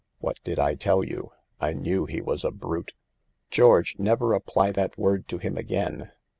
" What did I tell you? I knew he was a brute." "George, never apply that word to him again.